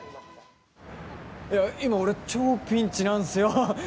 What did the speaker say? いや今、俺超ピンチなんすよ。